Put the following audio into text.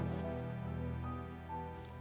tuh tuh tuh